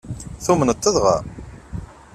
Tumneḍ-t dɣa?